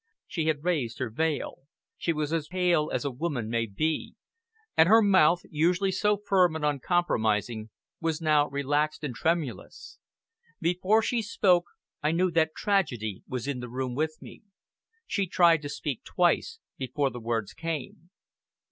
She had raised her veil; she was as pale as a woman may be, and her mouth, usually so firm and uncompromising, was now relaxed and tremulous. Before she spoke, I knew that tragedy was in the room with me. She tried to speak twice before the words came.